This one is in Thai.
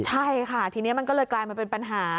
ใช่ค่ะทีนี้มันก็เลยกลายมาเป็นปัญหา